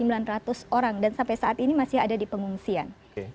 penggunaan perusahaan terhadap sembilan ratus orang dan sampai saat ini masih ada di pengungsian